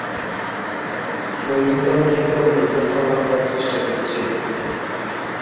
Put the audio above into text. নৈনীতাল থেকে অন্যান্য ফল আনবার চেষ্টা করছি।